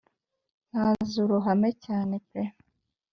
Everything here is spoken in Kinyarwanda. nkaze uruhame cyane pe